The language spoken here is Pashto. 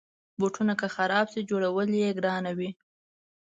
بوټونه که خراب شي، جوړول یې ګرانه وي.